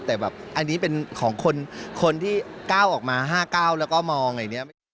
แต่แบบอันนี้เป็นของคนที่ก้าวออกมา๕๙แล้วก็มองอย่างนี้